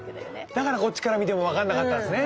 だからこっちから見ても分かんなかったんですね。